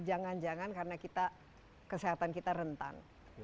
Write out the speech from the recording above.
jangan jangan karena kita kesehatan kita rentan